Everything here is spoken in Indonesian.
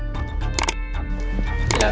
terima kasih pak